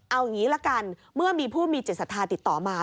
เอางี้ละกันเมื่อมีผู้มีจิตสาธารณ์ติดต่อมา